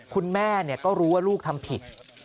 คุณแม่ก็รู้ว่าลูกทำผิด